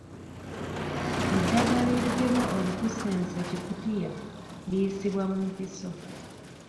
Eddagala erigema Olukusense-Kikutiya liyisibwa mu mpiso.